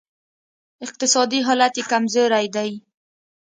اقتصادي حالت یې کمزوری دی